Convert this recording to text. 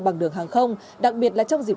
bằng đường hàng không đặc biệt là trong dịp